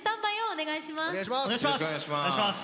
お願いします。